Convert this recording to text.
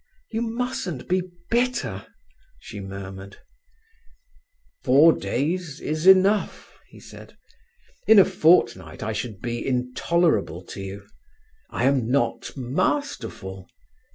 "You mustn't be bitter," she murmured. "Four days is enough," he said. "In a fortnight I should be intolerable to you. I am not masterful."